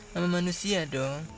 sama manusia dong